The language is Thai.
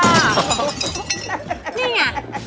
นี่เหนี่ย